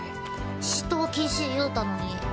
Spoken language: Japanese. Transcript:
私闘禁止言うたのに。